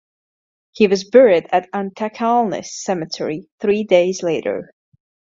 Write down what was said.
He was buried at Antakalnis Cemetery three days later.